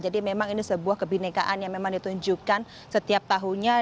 jadi memang ini sebuah kebenekaan yang memang ditunjukkan setiap tahunnya